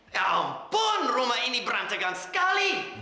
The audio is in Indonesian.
ya ampun rumah ini berantakan sekali